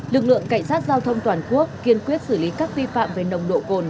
lực lượng cảnh sát giao thông toàn quốc kiên quyết xử lý các vi phạm về nồng độ cồn